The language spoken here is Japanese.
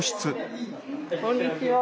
こんにちは。